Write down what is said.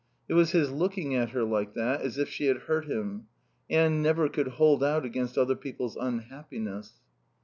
It was his looking at her like that, as if she had hurt him Anne never could hold out against other people's unhappiness.